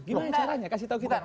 gimana caranya kasih tahu kita